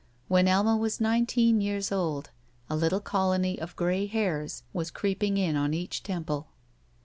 When Alma was nineteen years old a little colony of gray hairs was creeping in on each temple.